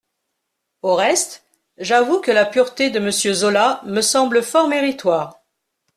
Au reste, j'avoue que la pureté de Monsieur Zola me semble fort méritoire.